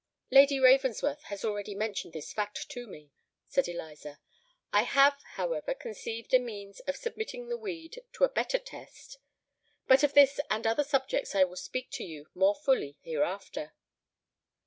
"Lady Ravensworth has already mentioned this fact to me," said Eliza: "I have, however, conceived a means of submitting the weed to a better test. But of this and other subjects I will speak to you more fully hereafter."